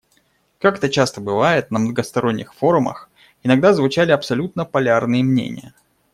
Как это часто бывает на многосторонних форумах, иногда звучали абсолютно полярные мнения.